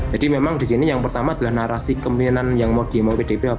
jadi memang di sini yang pertama adalah narasi kepenghutinan yang mau diimau pdip